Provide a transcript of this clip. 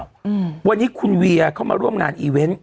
อืมวันนี้คุณเวียเข้ามาร่วมงานอีเวนต์